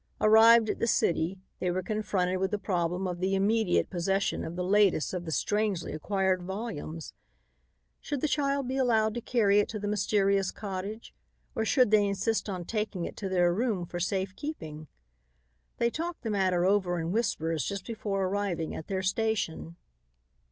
Arrived at the city, they were confronted with the problem of the immediate possession of the latest of the strangely acquired volumes. Should the child be allowed to carry it to the mysterious cottage or should they insist on taking it to their room for safe keeping? They talked the matter over in whispers just before arriving at their station.